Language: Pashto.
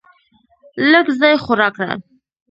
لږ ځای خو راکړه .